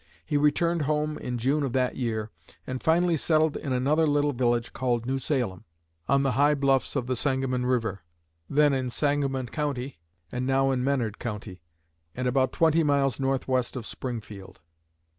He returned home in June of that year, and finally settled in another little village called New Salem, on the high bluffs of the Sangamon river, then in Sangamon County and now in Menard County, and about twenty miles northwest of Springfield."